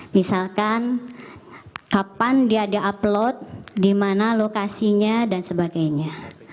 misalkan kapan dia ada upload di mana lokasinya dan sebagainya